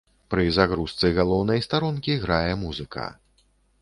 Пры загрузцы галоўнай старонкі грае музыка.